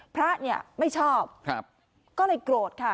พระเนี่ยไม่ชอบก็เลยโกรธค่ะ